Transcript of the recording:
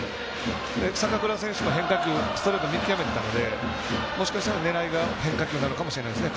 坂倉選手もストレート見極めていたのでもしかしたら、狙いが変化球なのかもしれないですね。